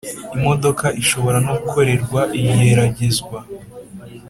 Imodoka ishobora no gukorerwa igeragezwa